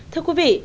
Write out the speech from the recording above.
thưa quý vị